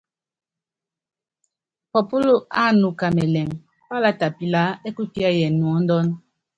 Pɔpúl ánuka mɛlɛŋ, pálata pilaá ɛ́ kupíɛ́yɛn nuɔ́ndɔ́n.